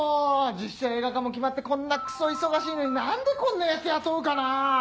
実写映画化も決まってこんなクソ忙しいのに何でこんなヤツ雇うかな？